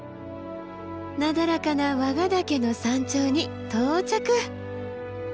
なだらかな和賀岳の山頂に到着！